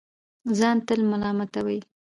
ځان تل ملامتوي